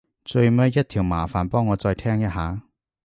最尾一條麻煩幫我再聽一下